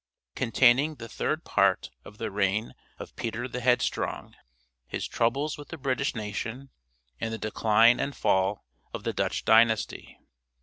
_ CONTAINING THE THIRD PART OF THE REIGN OF PETER THE HEADSTRONG HIS TROUBLES WITH THE BRITISH NATION, AND THE DECLINE AND FALL OF THE DUTCH DYNASTY.